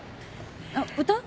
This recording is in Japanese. あっ歌う？